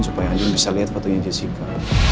supaya anda bisa lihat fotonya jessica